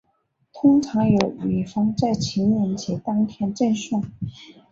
通常由女方在情人节当天赠送。